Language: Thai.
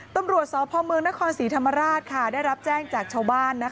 ตำรวจสพเมืองนครศรีธรรมราชได้รับแจ้งจากชาวบ้าน